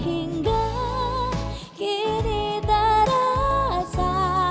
hingga kini terasa